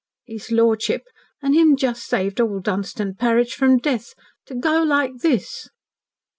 "His lordship and him just saved all Dunstan parish from death to go like this!"